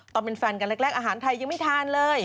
ตอนเป็นแฟนกันแรกอาหารไทยยังไม่ทานเลย